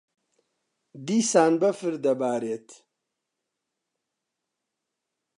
دیسان بەفر دەبارێت.